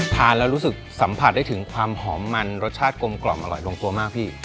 ทานแล้วรู้สึกสัมผัสได้ถึงความหอมมันรสชาติกลมกล่อมอร่อยลงตัวมากพี่